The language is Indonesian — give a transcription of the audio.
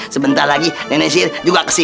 sebentar lagi nenek sihir juga kesini